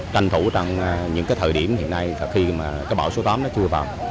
tranh thủ trong những thời điểm hiện nay khi bão số tám chưa vào